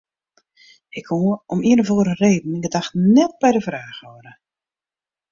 Ik koe om ien of oare reden myn gedachten net by de fraach hâlde.